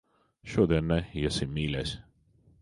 Šodien ne. Iesim, mīļais.